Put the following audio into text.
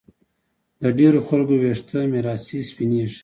د ډېرو خلکو ویښته میراثي سپینېږي